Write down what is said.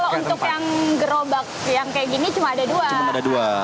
yang gerobak yang kayak gini cuma ada dua